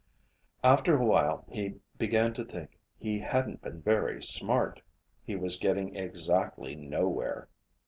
After a while he began to think he hadn't been very smart. He was getting exactly nowhere.